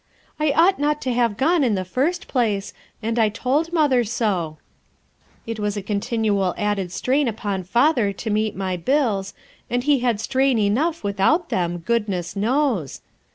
"I ought not to have gone in the first place, and I told Mother so; it was a continual added strain upon Father to meet my bills, and he had strain enough without them, goodness knows.